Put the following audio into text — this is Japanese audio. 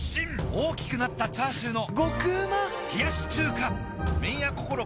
大きくなったチャーシューの麺屋こころ